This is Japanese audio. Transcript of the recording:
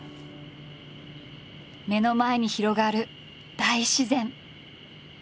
目の前に広がる大自然。